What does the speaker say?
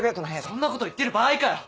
そんなこと言ってる場合かよ！